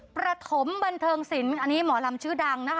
ประถมบันเทิงศิลป์อันนี้หมอลำชื่อดังนะคะ